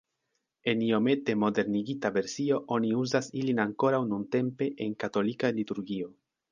En iomete modernigita versio oni uzas ilin ankoraŭ nuntempe en katolika liturgio.